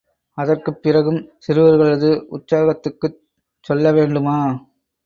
அதற்குப் பிறகும் சிறுவர்களது உற்சாகத்துக்குச் சொல்ல வேண்டுமா?